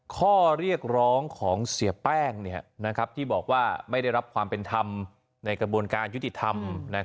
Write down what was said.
ข้อเรียกร้องของเสียแป้งที่บอกว่าไม่ได้รับความเป็นธรรมในกระบวนการยุติธรรม